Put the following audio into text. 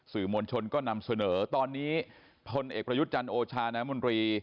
สื่อมวลชนก็นำเสนอตอนนี้พลเอกประยุทธ์จันทร์โอชาน้ำมนตรี